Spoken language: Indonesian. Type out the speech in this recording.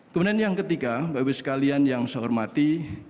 kemudian yang ketiga bapak ibu sekalian yang saya hormati